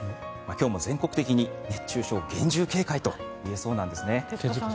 今日も全国的に熱中症厳重警戒といえそうなんですね。